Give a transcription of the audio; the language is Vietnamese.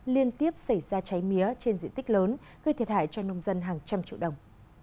liên tiếp xảy ra cháy mía trên diện tích lớn gây thiệt hại cho nông dân hàng trăm triệu đồng